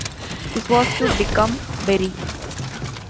This was to become Berri.